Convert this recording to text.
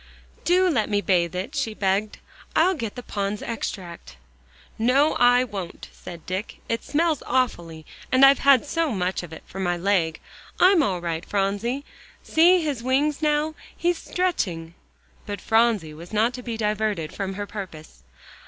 "Do let me bathe it," she begged. "I'll get the Pond's Extract." "No, I won't," said Dick. "It smells awfully, and I've had so much of it for my leg. I'm all right, Phronsie. See his wings now he's stretching." But Phronsie was not to be diverted from her purpose.